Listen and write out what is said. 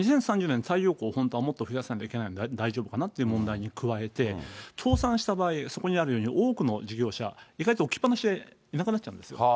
２０３０年、太陽光増やさないで大丈夫かなっていう問題に加えて、倒産した場合、そこにあるように、多くの事業者、意外と置きっぱなしでいなくなっちゃうんですよ。